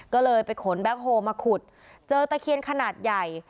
ก็เลยไปขนแบ็คโฮลมาขุดเจอตะเคียนขนาดใหญ่